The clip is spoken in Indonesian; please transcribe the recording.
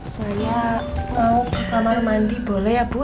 saya mau kamar mandi boleh ya bu